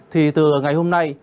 thì từ ngày hôm nay